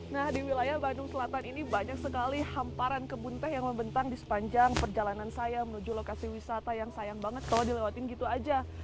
nah di wilayah bandung selatan ini banyak sekali hamparan kebun teh yang membentang di sepanjang perjalanan saya menuju lokasi wisata yang sayang banget kalau dilewatin gitu aja